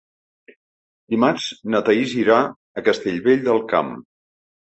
Dimarts na Thaís irà a Castellvell del Camp.